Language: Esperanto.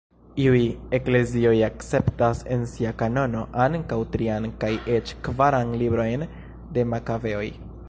Iuj eklezioj akceptas en sia kanono ankaŭ trian kaj eĉ kvaran librojn de Makabeoj.